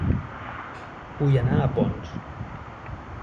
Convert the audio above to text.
Vull anar a Ponts